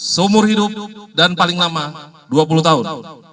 seumur hidup dan paling lama dua puluh tahun